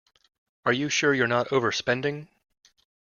Are you sure you're not overspending?